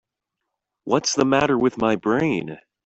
What's the matter with my brain?